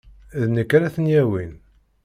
D nekk ara ten-yawin.